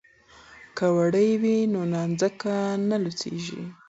که وړۍ وي نو نانځکه نه لڅیږي.